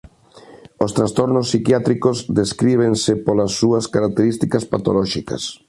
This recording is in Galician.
Os trastornos psiquiátricos descríbense polas súa características patolóxicas.